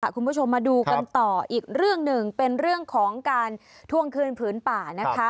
คุณผู้ชมมาดูกันต่ออีกเรื่องหนึ่งเป็นเรื่องของการทวงคืนผืนป่านะคะ